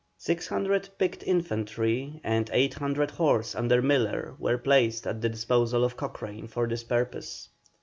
Six hundred picked infantry and eighty horse under Miller, were placed at the disposal of Cochrane for this purpose.